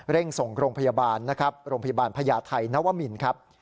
เร่งส่งโรงพยาบาลโรงพยาบาลพญาไทยนวมินทร์